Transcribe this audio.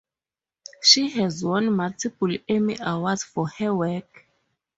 She has won multiple Emmy Awards for her work.